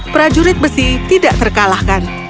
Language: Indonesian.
prajurit besi tidak terkalahkan